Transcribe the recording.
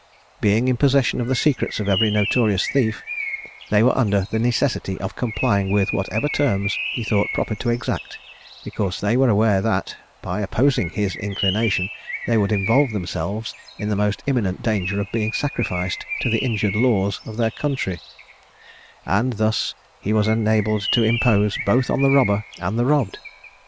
Being in possession of the secrets of every notorious thief, they were under the necessity of complying with whatever terms he thought proper to exact, because they were aware that, by opposing his inclination, they would involve themselves in the most imminent danger of being sacrificed to the injured laws of their country; and thus he was enabled to impose both on the robber and the robbed.